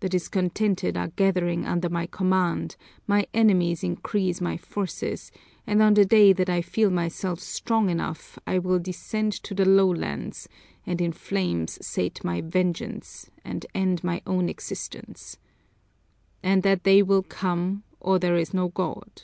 The discontented are gathering under my command, my enemies increase my forces, and on the day that I feel myself strong enough I will descend to the lowlands and in flames sate my vengeance and end my own existence. And that day will come or there is no God!"